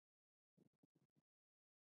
هغوی د خوږ خوبونو د لیدلو لپاره ناست هم وو.